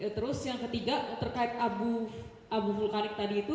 terus yang ketiga terkait abu vulkanik tadi itu